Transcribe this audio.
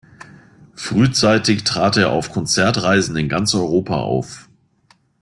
Frühzeitig trat er auf Konzertreisen in ganz Europa auf.